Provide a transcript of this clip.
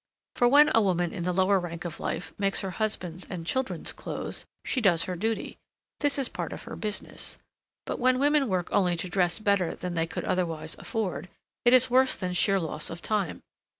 For when a woman in the lower rank of life makes her husband's and children's clothes, she does her duty, this is part of her business; but when women work only to dress better than they could otherwise afford, it is worse than sheer loss of time.